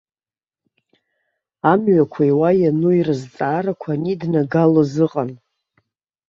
Амҩақәеи уа иануи рызҵаарақәа аниднагалоз ыҟан.